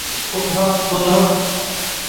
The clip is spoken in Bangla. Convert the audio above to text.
ফোন ধর, ফোন ধর।